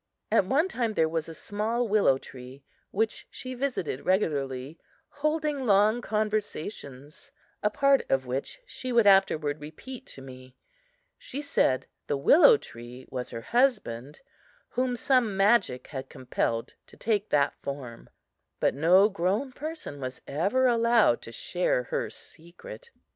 At one time there was a small willow tree which she visited regularly, holding long conversations, a part of which she would afterward repeat to me. She said the willow tree was her husband, whom some magic had compelled to take that form; but no grown person was ever allowed to share her secret.